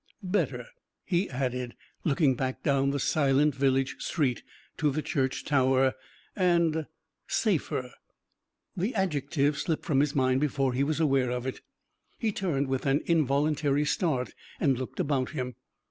Better," he added, looking back down the silent village street to the church tower, "and safer." The adjective slipped from his mind before he was aware of it. He turned with an involuntary start and looked about him.